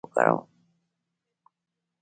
د چارمغز دانه د څه لپاره وکاروم؟